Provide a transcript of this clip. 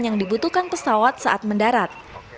yang dibutuhkan pesawat saat mendarat